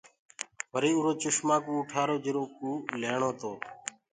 وري اُرو چشمآ ڪوُ اُٺآرو جِرو ڪُو ليڻو تو۔